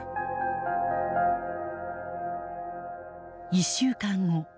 １週間後。